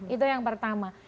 itu yang pertama